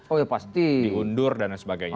oh ya pasti diundur dan lain sebagainya